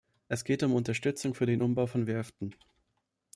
Es geht um Unterstützung für den Umbau von Werften.